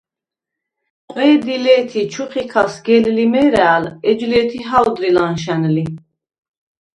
ყვე̄დი ლე̄თ ი ჩუხიქა სგელდ ლიმე̄რა̄̈ლ ეჯ ლე̄თი ჰა̄ვდრი ლა̈ნშა̈ნ ლი.